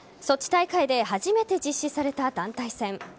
ソチ大会で初めて実施された団体戦。